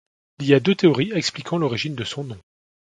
Il y a deux théories expliquant l'origine de son nom.